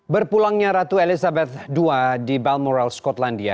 berpulangnya ratu elizabeth ii di balmoral skotlandia